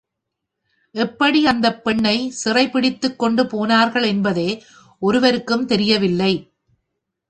எப்படி அந்தப் பெண்ணைச் சிறைப் பிடித்துக் கொண்டு போனார்கள் என்பதே ஒருவருக்கும் தெரியவில்லை.